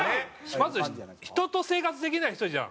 まず人と生活できない人じゃん。